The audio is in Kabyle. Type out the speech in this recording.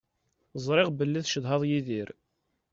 Ẓriɣ belli tcedhaḍ Yidir.